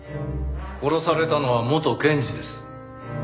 殺されたのは元検事です。